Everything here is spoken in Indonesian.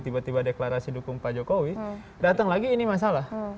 tiba tiba deklarasi dukung pak jokowi datang lagi ini masalah